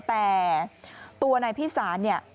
แต่ตัวนายพิสาร